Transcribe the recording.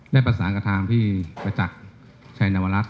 ได้ประสานกับทางพี่ประจักษ์ชัยนวรัฐ